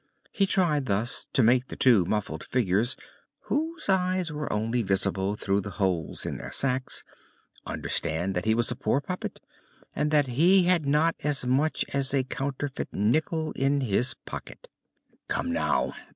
He tried thus to make the two muffled figures, whose eyes were only visible through the holes in their sacks, understand that he was a poor puppet, and that he had not as much as a counterfeit nickel in his pocket. "Come, now!